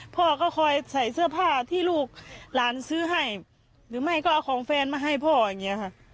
พ่อก็คอยใส่เสื้อผ้าที่ลูกหลานซื้อให้หรือไม่ก็เอาของแฟนมาให้พ่ออย่างนี้ค่ะ